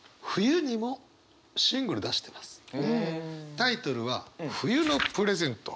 タイトルは「冬のプレゼント」。